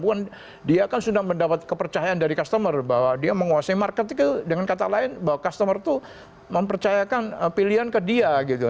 walaupun dia kan sudah mendapat kepercayaan dari customer bahwa dia menguasai market itu dengan kata lain bahwa customer itu mempercayakan pilihan ke dia gitu